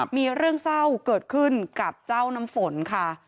มีเรื่องเศร้าเกิดขึ้นกับเจ้าน้ำฝนค่ะ